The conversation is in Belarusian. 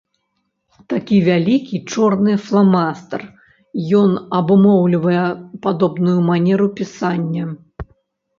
Такі вялікі чорны фламастар, ён абумоўлівае падобную манеру пісання.